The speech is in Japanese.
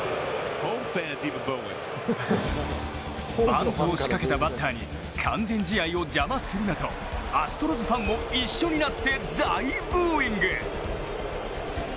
バントを仕掛けたバッターに完全試合を邪魔するなとアストロズファンも一緒になって大ブーイング。